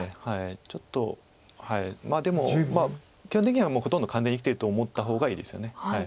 ちょっとでも基本的にはもうほとんど完全に生きてると思った方がいいですよね。